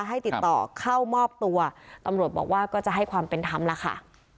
ให้ติดต่อเข้ามอบตัวตำรวจบอกว่าก็จะให้ความเป็นธรรมแล้วค่ะ